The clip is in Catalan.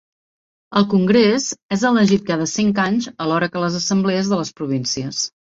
El congrés és elegit cada cinc anys alhora que les Assemblees de les províncies.